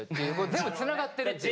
全部つながってるっていうか。